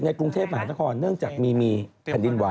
ในกรุงเทพฯหลายคนเนื่องจากมีแผ่นดินไว้